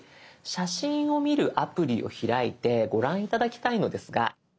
写真を見るアプリを開いてご覧頂きたいのですが。